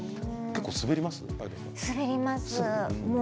結構、滑りますか？